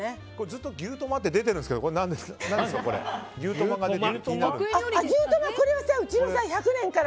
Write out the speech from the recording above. ずっと牛トマって出てるんですけど何ですか？